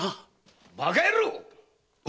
バカ野郎！